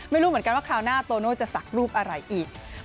ไม่รู้เหมือนกันว่าคราวหน้าโตโน่จะสักรูปอะไรอีก